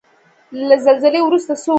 له زلزلې وروسته څه وکړو؟